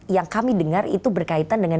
yang kami dengar itu berkaitan dengan